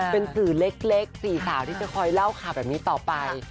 เป็นสื่อเล็ก๔สาวที่จะคอยเล่าข่าวแบบนี้ต่อไป